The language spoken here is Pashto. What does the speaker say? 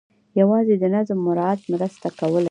یوازې د نظم مراعات مرسته کولای شي.